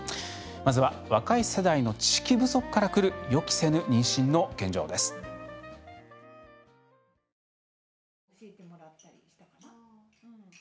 まずは若い世代の知識不足からくる予期せぬ妊娠についてです。